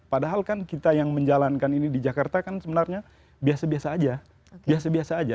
padahal kan kita yang menjalankan ini di jakarta kan sebenarnya biasa biasa aja